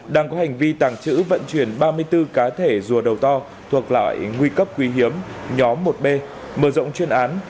đang có hành vi tàng trữ vận chuyển ba mươi bốn cá thể rùa đầu to thuộc lại nguy cấp quý hiếm nhóm một b mở rộng chuyên án